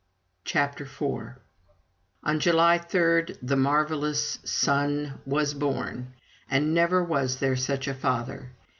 CHAPTER IV On July 3, the Marvelous Son was born, and never was there such a father.